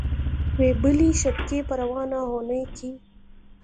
وې بلې شبکې په روانه اونۍ کې